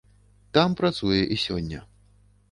Там працуе і сёння.